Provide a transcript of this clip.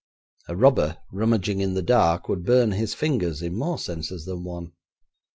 A robber rummaging in the dark would burn his fingers in more senses than one.